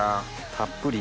たっぷり。